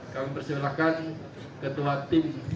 kami persyaratkan ketua tim